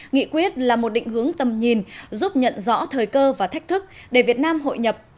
nghị quyết là một định hướng tầm nhìn giúp nhận rõ thời cơ và thách thức để việt nam hội nhập